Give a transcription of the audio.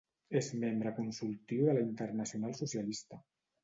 És membre consultiu de la Internacional Socialista.